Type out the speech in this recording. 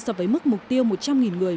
so với mức mục tiêu một trăm linh người